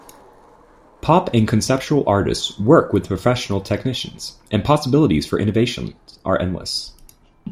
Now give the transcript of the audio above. Pop and conceptual artists work with professional technicians, and possibilities for innovation are endless.